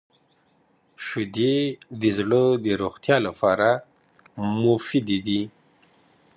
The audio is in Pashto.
• شیدې د زړه د روغتیا لپاره مفید دي.